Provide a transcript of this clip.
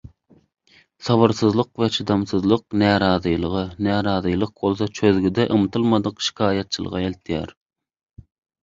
Sabyrsyzlyk we çydamsyzlyk närazylyga, närazylyk bolsa çözgüde ymtylmadyk şikaýatçylyga eltýär.